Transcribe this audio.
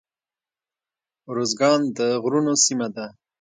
ارزګان د غرونو سیمه ده